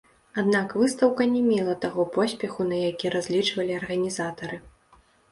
Аднак выстаўка не мела таго поспеху, на які разлічвалі арганізатары.